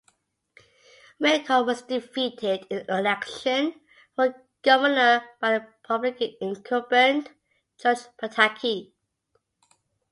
McCall was defeated in the election for governor by the Republican incumbent, George Pataki.